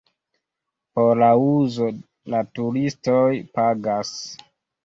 Por la uzo la turistoj pagas.